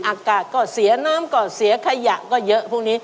อากาศก็เสียน้ำก็เสียขยะก็เยอะพวกนี้